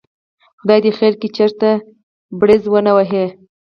خدای دې خیر کړي، چېرته بړز ونه وهي.